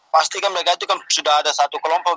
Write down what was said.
pastikan mereka itu kan sudah ada satu kelompok